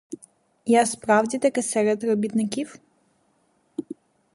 Я справді-таки серед робітників.